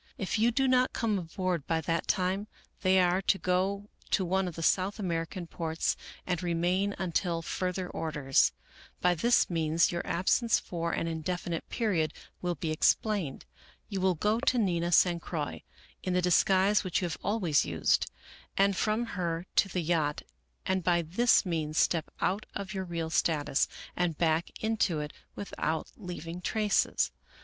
If you do not come aboard by that time, they are to go to one of the South American ports and re main until further orders. By this means your absence for an indefinite period will be explained. You will go to Nina San Croix in the disguise which you have always used, and from her to the yacht, and by this means step out of your real status and back into it without leaving traces.